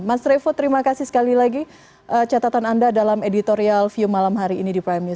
mas revo terima kasih sekali lagi catatan anda dalam editorial view malam hari ini di prime news